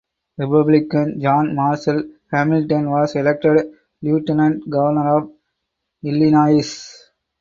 Republican John Marshall Hamilton was elected Lieutenant Governor of Illinois.